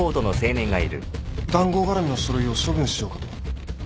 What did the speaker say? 談合がらみの書類を処分しようかと。